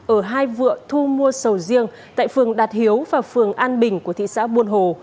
ở hai vựa thu mua sầu riêng tại phường đạt hiếu và phường an bình của thị xã buôn hồ